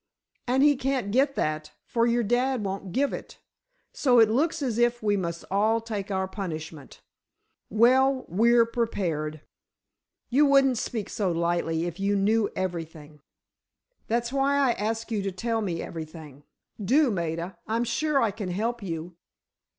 "And he can't get that, for your dad won't give it. So it looks as if we must all take our punishment. Well, we're prepared." "You wouldn't speak so lightly if you knew everything!" "That's why I ask you to tell me everything. Do, Maida, I'm sure I can help you."